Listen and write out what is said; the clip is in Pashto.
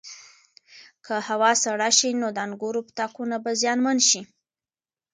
که هوا سړه شي نو د انګورو تاکونه به زیانمن شي.